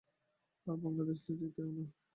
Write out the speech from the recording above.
আর Bangladesh জিতেও নেয়।